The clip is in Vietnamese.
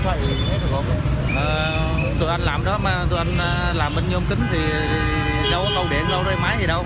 tụi anh làm đó mà tụi anh làm bên nhôm kính thì đâu có cầu điện đâu có máy gì đâu